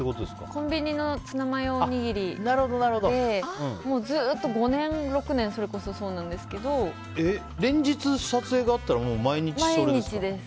コンビニのツナマヨおにぎりでずっと５年、６年それこそそうなんですけど連日、撮影があったら毎日それですか？